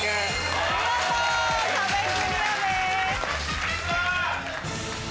見事壁クリアです。